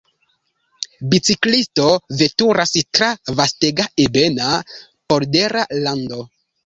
Biciklisto veturas tra vastega ebena poldera lando.